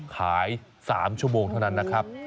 ขาย๓ชั่วโมงเท่านั้นนะครับ